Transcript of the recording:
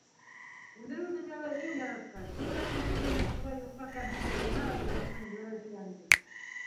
Үҙенең донъяла иң яратҡан, иң яҡын кешеһенең шулай юҡҡа кәмһетелеүенә Айбулаттың йөрәге янды.